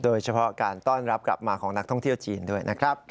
โดยเฉพาะการต้อนรับกลับมาของนักท่องเที่ยวจีนด้วยนะครับ